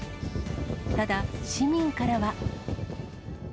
ただ、市民からは。